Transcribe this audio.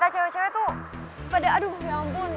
cewek cewek tuh pada aduh ya ampun